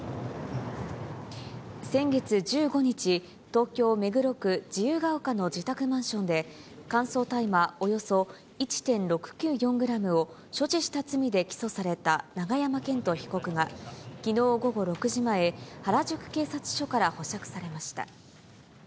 先月１５日、東京・目黒区自由が丘の自宅マンションで、乾燥大麻およそ１．６９４グラムを所持した罪で起訴された永山絢斗被告が、きのう午後６時前、原宿警察署から保釈されました。